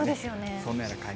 そんなような感じ。